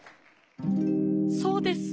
「そうです。